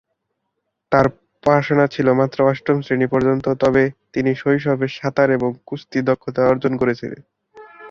তাঁর পড়াশোনা ছিল মাত্র অষ্টম শ্রেণি পর্যন্ত, তবে তিনি শৈশবে সাঁতার এবং কুস্তিতে দক্ষতা অর্জন করেছিলেন।